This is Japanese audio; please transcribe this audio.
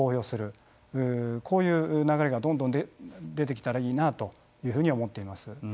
こういう流れがどんどん出てきたらいいなというふうに思っています。